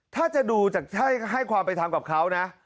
ถ้าจะดูจากให้ความไปทำกับเขานะ